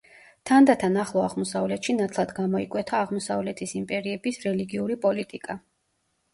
თანდათან ახლო აღმოსავლეთში ნათლად გამოიკვეთა აღმოსავლეთის იმპერიების რელიგიური პოლიტიკა.